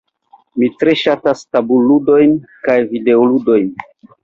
Mi tre ŝatas tabulludojn kaj videoludojn.